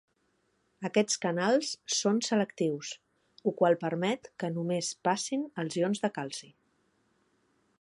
Aquests canals són selectius, ho qual permet que només passin els ions de calci.